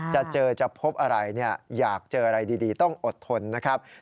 จะเจอจะพบอะไรอยากเจออะไรดีต้องอดทนนะครับ